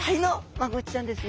マゴチちゃんです。